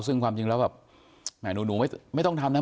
ซึ่งความจริงแล้วแบบแหมหนูไม่ต้องทำนะ